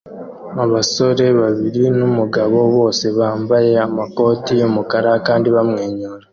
Abagore babiri numugabo bose bambaye amakoti yumukara kandi bamwenyura